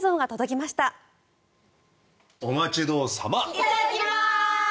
いただきます！